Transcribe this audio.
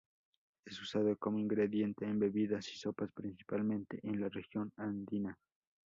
Es usado como ingrediente en bebidas y sopas principalmente en la región andina.